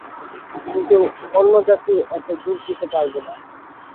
কিন্তু অন্য জাতি এতে যোগ দিতে পারবে না।